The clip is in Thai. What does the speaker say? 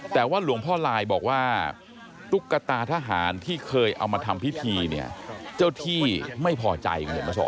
แต่ว่าหลวงพ่อลายบอกว่าตุ๊กตาทหารที่เคยเอามาทำพิธีเนี่ยเจ้าที่ไม่พอใจคุณเห็นมาสอ